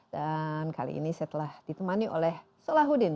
dan kali ini saya telah ditemani oleh solahuddin